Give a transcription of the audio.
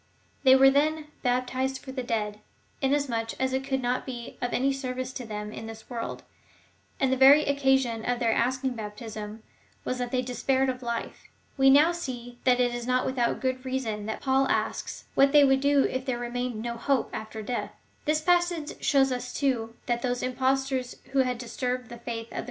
They were, then, hai^tized for the dead, inasmuch as it could not be of any service to them in this world, and the very occasion of their asking baptism was that they despaired of life. We now see that it is not without good reason that Paul asks, what they woidd do if there remained no hope after death f 1 Cornelius a Lapide, in his Commentary on the Canonical Epistles, (Paris, 1631,) p.